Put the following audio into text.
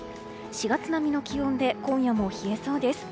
４月並みの気温で今夜も冷えそうです。